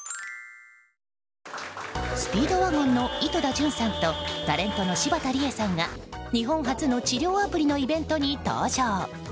スピードワゴンの井戸田潤さんとタレントの柴田理恵さんが日本初の治療アプリのイベントに登場。